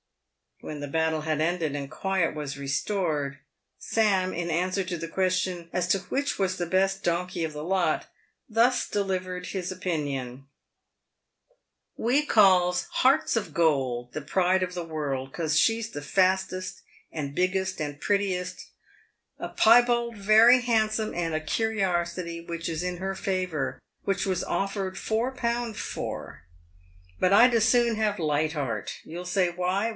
When the battle had ended and quiet was restored, Sam, in answer to the question as to which was the best donkey of the lot, thus de livered his opinion :" We calls Hearts of Gold the pride of the world, 'cos she's the fastest, and biggest, and prettiest — a piebald, very handsome, and a 'Curiosity, which is in her favour, which was offered four pound for. But I'd as soon have Lightheart. You'll say why